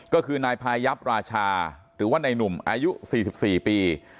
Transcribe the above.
ก็คือนายพายับราชาหรือว่านายหนุ่มอายุ๔๔ปี